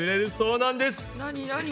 なになに？